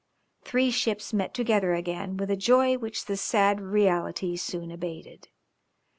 Three ships met together again with a joy which the sad reality soon abated.